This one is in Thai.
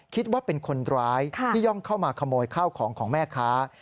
คิดว่าเป็นคนร้ายที่ย่องเข้ามาขโมยข้าวของของแม่ค้า